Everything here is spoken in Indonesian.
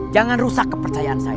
jangan rusak kepercayaan saya